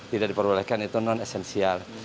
tidak diperbolehkan itu non esensial